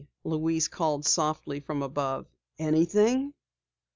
Louise called softly from above. "Anything?"